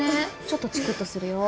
ちょっとチクッとするよ。